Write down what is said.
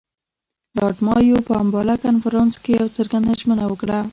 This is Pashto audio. لارډ مایو په امباله کنفرانس کې یوه څرګنده ژمنه وکړه.